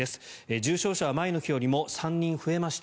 重症者は前の日よりも３人増えました。